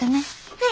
はい！